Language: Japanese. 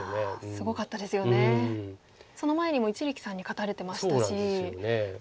その前にも一力さんに勝たれてましたし。